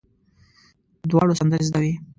دواړو سندرې زده وې.